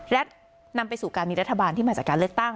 และนำไปสู่การมีรัฐบาลที่มาจากการเลือกตั้ง